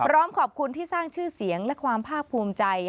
พร้อมขอบคุณที่สร้างชื่อเสียงและความภาคภูมิใจ